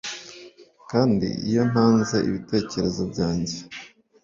Kandi iyo ntanze ibitekerezo byanjye